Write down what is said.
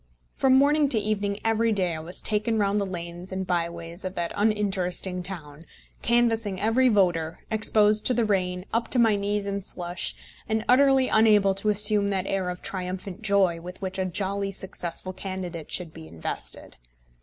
From morning to evening every day I was taken round the lanes and by ways of that uninteresting town, canvassing every voter, exposed to the rain, up to my knees in slush, and utterly unable to assume that air of triumphant joy with which a jolly, successful candidate should be invested.